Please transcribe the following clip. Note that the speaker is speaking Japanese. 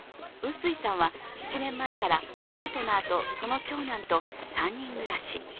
臼井さんは７年前からパートナーとその長男と３人暮らし。